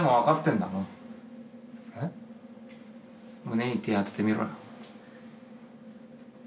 胸に手当ててみろよ。